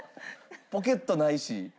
ポケットないし。